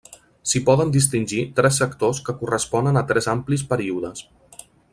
S'hi poden distingir tres sectors que corresponen a tres amplis períodes.